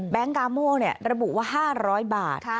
แบงค์กามโหระบุว่า๕๐๐บาท